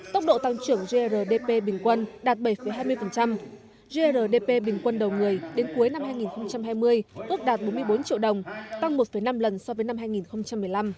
tốc độ tăng trưởng grdp bình quân đạt bảy hai mươi grdp bình quân đầu người đến cuối năm hai nghìn hai mươi ước đạt bốn mươi bốn triệu đồng tăng một năm lần so với năm hai nghìn một mươi năm